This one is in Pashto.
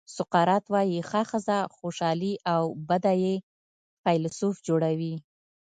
سقراط وایي ښه ښځه خوشالي او بده یې فیلسوف جوړوي.